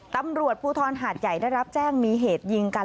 ตำรวจภูทรหาดใหญ่ได้รับแจ้งมีเหตุยิงกัน